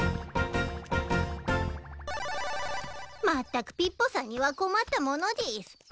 まったくピッポさんには困ったものでぃす。